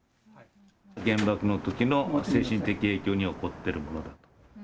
原爆のときの精神的影響で起こっていると。